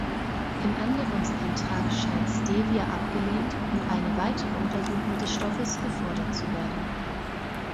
Im Änderungsantrag scheint Stevia abgelehnt und eine weitere Untersuchung des Stoffes gefordert zu werden.